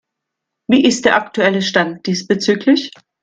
Wie ist der aktuelle Stand diesbezüglich?